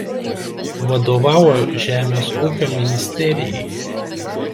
Vadovauja Žemės ūkio ministerijai.